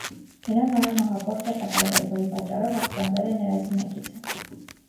Նրա վրա մահափորձ է կատարվել, որի պատճառով վախճանվել է նրա զինակիցը։